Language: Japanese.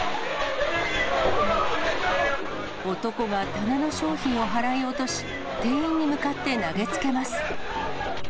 男が棚の商品をはらい落とし、店員に向かって投げつけます。